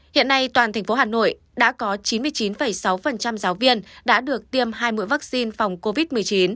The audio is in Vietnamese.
hiện nay toàn thành phố hà nội đã có chín mươi chín sáu giáo viên đã được tiêm hai mũi vaccine phòng covid một mươi chín